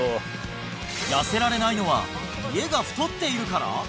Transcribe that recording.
痩せられないのは家が太っているから？